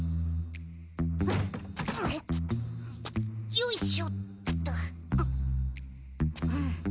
よいしょっと。